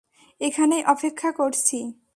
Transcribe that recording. এখানেই অপেক্ষা করছি।